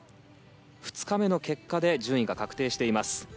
２日目の結果で順位が確定しています。